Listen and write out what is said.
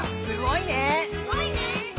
「すごいね」